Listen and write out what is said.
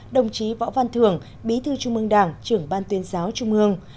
đồng chí võ văn thường bí thư trung ương đảng trưởng ban tuyên giáo trung ương